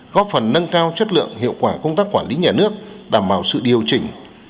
góp phần nâng cao chất lượng hiệu quả công tác quản lý nhà nước đảm bảo sự điều chỉnh